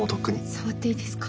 触っていいですか？